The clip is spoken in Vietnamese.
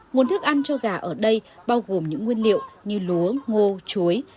nguồn thức ăn cho gà ở đây bao gồm những nguyên liệu như lúa ngô chuối